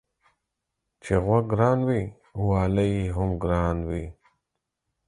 چي غوږ گران وي والى يې هم گران وي.